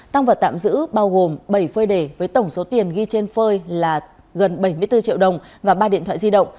tăng vật tạm giữ bao gồm bảy phơi đề với tổng số tiền ghi trên phơi là gần bảy mươi bốn triệu đồng và ba điện thoại di động